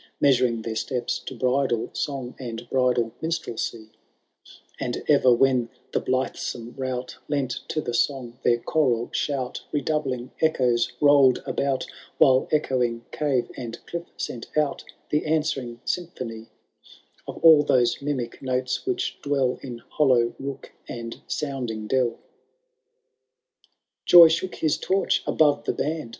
Measuring their steps to bridal song And bndal minstrelsy ; And ever when the blithesome rout Lent to the song their choral shout, Redoubling echoes rolPd about, While echoing cave and cliff sent out The answering symphony Of all those mimic notes which dwell In hollow took and sounding delL XIII. Joy shook his torch above the band.